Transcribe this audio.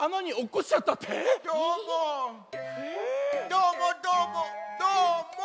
どーもどーもどーも。